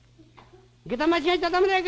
下駄間違えちゃ駄目だよ